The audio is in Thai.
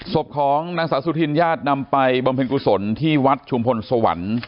ศพของนางสาวสุธินญาตินำไปบำเพ็ญกุศลที่วัดชุมพลสวรรค์